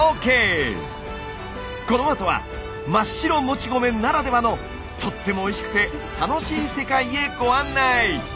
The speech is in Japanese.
このあとは真っ白もち米ならではのとってもおいしくて楽しい世界へご案内！